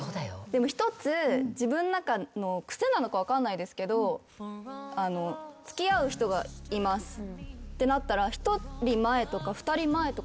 一つ自分の中の癖なのか分かんないですけど付き合う人がいますってなったら。